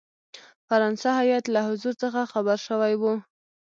فرانسه هیات له حضور څخه خبر شوی وو.